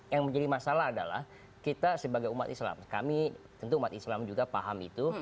yang menjadi masalah adalah kita sebagai umat islam kami tentu umat islam juga paham itu